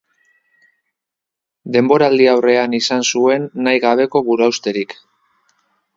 Denboraldi-aurrean izan zuen nahi gabeko buruhausterik.